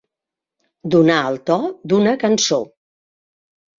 Donar el to d'una cançó.